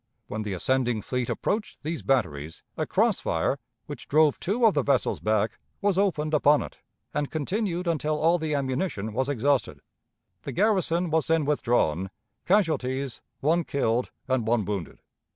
When the ascending fleet approached these batteries, a cross fire, which drove two of the vessels back, was opened upon it, and continued until all the ammunition was exhausted. The garrison was then withdrawn casualties, one killed and one wounded.